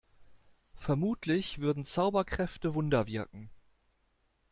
Vermutlich würden Zauberkräfte Wunder wirken.